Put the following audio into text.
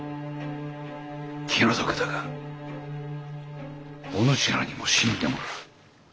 気の毒だがお主らにも死んでもらう。